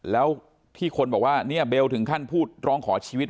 แล้วที่คนบอกว่าเนี่ยเบลถึงขั้นพูดร้องขอชีวิต